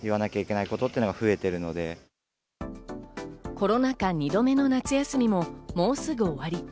コロナ禍２度目の夏休みももうすぐ終わり。